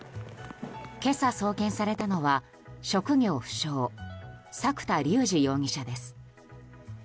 今朝送検されたのは職業不詳、作田竜二容疑者です。